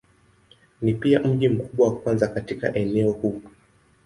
Ni pia mji mkubwa wa kwanza katika eneo huu.